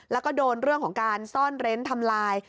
แล้วก็โดนเรื่องของการซ่อนเร้นทำลาย